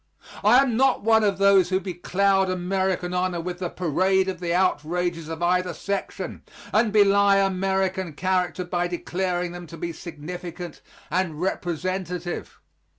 I am not one of those who becloud American honor with the parade of the outrages of either section, and belie American character by declaring them to be significant and representative.